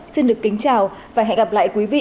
xin được kính chào và hẹn gặp lại quý vị